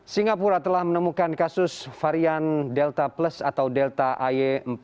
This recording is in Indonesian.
singapura telah menemukan kasus varian delta plus atau delta ay empat